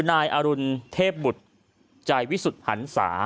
นายอรุณเทพบุตรใจวิสุทธิ์หันศา